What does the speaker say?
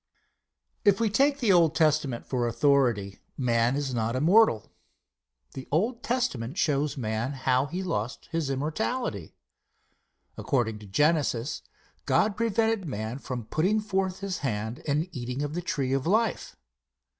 If we take the Old Testament for authority, man is not immortal. The Old Testament shows man how he lost immortality. According to Genesis, God prevented man from putting forth his hand and eating of the Tree of Life.